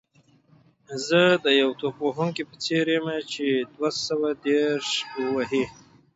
زه د یو توپ وهونکي په څېر یم چې دوه سوه دېرش وهي.